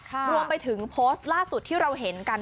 รวมไปถึงโพสต์ล่าสุดที่เราเห็นกัน